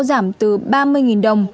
giảm từ ba mươi đồng